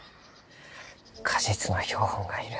果実の標本が要る。